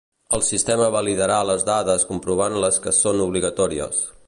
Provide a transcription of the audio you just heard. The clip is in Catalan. El sistema validarà les dades comprovant les que són obligatòries.